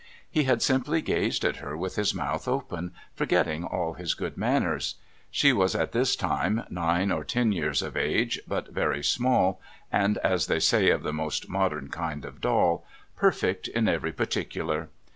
He had simply gazed at her with his mouth open, forgetting all his good manners. She was at this time nine or ten years of age but very small and, as they say of the most modern kind of doll, "perfect in every particular."